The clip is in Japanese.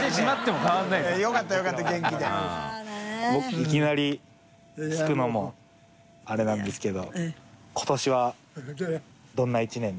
いきなり聞くのもあれなんですけど。